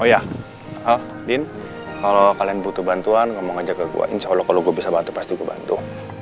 oh ya din kalau kalian butuh bantuan ngomong aja ke gue insya allah kalau gue bisa bantu pasti gue bantu